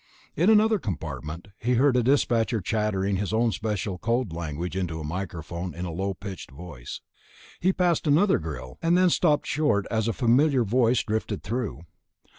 In another compartment he heard a dispatcher chattering his own special code language into a microphone in a low pitched voice. He passed another grill, and then stopped short as a familiar voice drifted through.